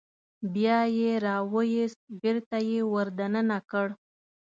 بیا یې راوویست بېرته یې ور دننه کړ.